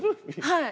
はい。